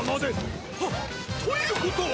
はっ！ということは。